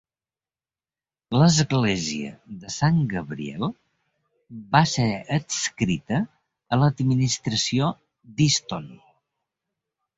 L'església de Sant Gabriel va ser adscrita a l'administració d'Easton.